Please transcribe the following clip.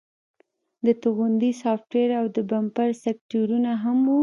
د توغندي سافټویر او د بمپر سټیکرونه هم وو